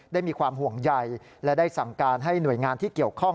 มีความห่วงใยและได้สั่งการให้หน่วยงานที่เกี่ยวข้อง